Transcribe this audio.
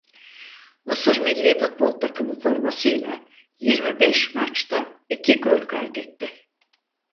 Mısır millî futbol takımı formasıyla yirmi beş maçta iki gol kaydetti.